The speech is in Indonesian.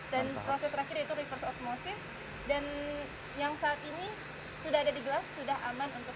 dan proses terakhir itu reverse osmosis dan yang saat ini sudah ada di gelas sudah aman untuk minum